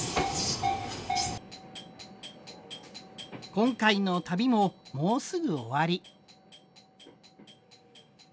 今回の旅ももうすぐ終わり。